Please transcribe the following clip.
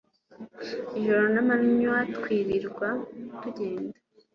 ijoro namanywa twirirwa tujyenda